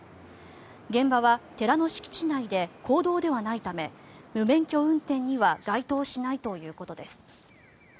現場は寺の敷地内で公道ではないため無免許運転には該当しないということです。